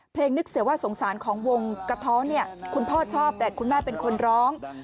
นึกเสียว่าสงสารของวงกระท้อเนี่ยคุณพ่อชอบแต่คุณแม่เป็นคนร้อง